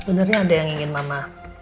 sebenarnya ada yang ingin mama